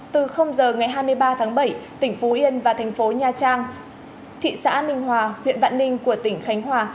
từ giờ ngày hai mươi ba tháng bảy tỉnh phú yên và thành phố nha trang thị xã ninh hòa huyện vạn ninh của tỉnh khánh hòa